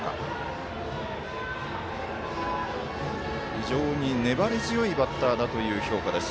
非常に粘り強いバッターだという評価です。